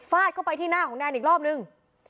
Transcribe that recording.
เข้าไปที่หน้าของแนนอีกรอบนึง